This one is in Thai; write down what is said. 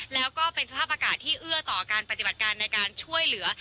แล้วก็เป็นสภาพอากาศที่เอื้อต่อการปฏิบัติการในการช่วยเหลือ